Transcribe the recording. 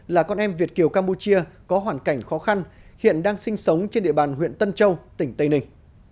là con em việt kiều campuchia có hoàn cảnh khó khăn hiện đang sinh sống trên địa bàn huyện tân châu tỉnh tây ninh